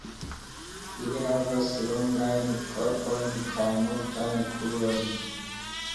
Ili havas longajn korpojn kaj multajn krurojn.